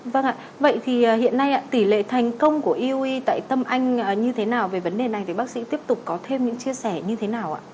vâng ạ vậy thì hiện nay ạ tỷ lệ thành công của eu tại tâm anh như thế nào về vấn đề này thì bác sĩ tiếp tục có thêm những chia sẻ như thế nào ạ